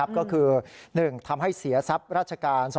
ก็คือ๑ทำให้เสียทรัพย์ราชการ